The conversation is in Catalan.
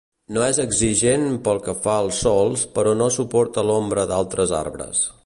No és exigent pel que fa als sòls però no suporta l'ombra d'altres arbres.